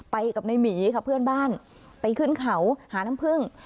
ไปกับในหมีค่ะเพื่อนบ้านไปขึ้นเขาหาน้ำพึ่ง